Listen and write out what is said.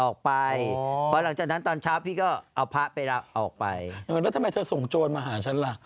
ครับแล้วทำไมเธอส่งโจรมาหาฉันล่ะ